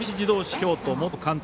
京都元監督